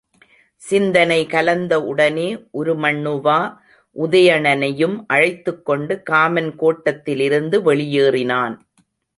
சிந்தனை கலைந்த உடனே உருமண்ணுவா உதயணனையும் அழைத்துக் கொண்டு காமன் கோட்டத்திலிருந்து வெளியேறினான்.